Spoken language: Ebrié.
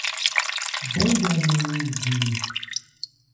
Ban Yayó wɛn di ɛ ?